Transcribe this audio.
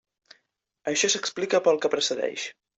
Això s'explica pel que precedeix.